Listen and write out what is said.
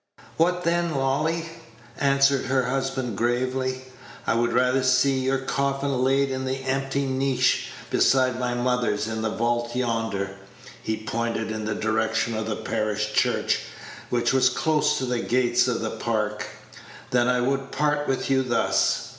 "What then, Lolly?" answered her husband, gravely. "I would rather see your coffin laid in the empty niche beside my mother's in the vault yonder" he pointed in the direction of the parish church, which was close to the gates of the Park "than I would part with you thus.